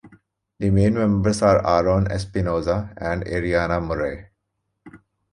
The main members are Aaron Espinoza and Ariana Murray.